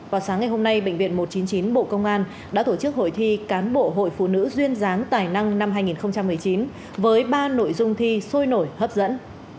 vào sáng ngày hôm nay bệnh viện một trăm chín mươi chín bộ công an đã tổ chức hội thi cán bộ hội phụ nữ duyên gián tài năng năm hai nghìn một mươi chín với ba nội dung thi sôi nổi hấp dẫn